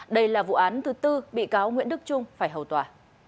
đây là vụ án thứ tư bị cáo nguyễn đức trung phải hầu tòa